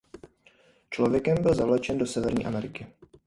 Člověkem byl zavlečen do Severní Ameriky.